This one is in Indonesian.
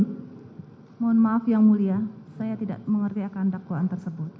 mohon maaf yang mulia saya tidak mengerti akan dakwaan tersebut